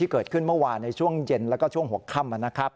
เกิดขึ้นเมื่อวานในช่วงเย็นแล้วก็ช่วงหัวค่ำนะครับ